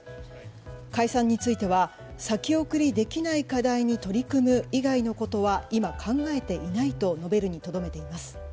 解散については先送りできない課題に取り組む以外のことは今、考えていないと述べるにとどめています。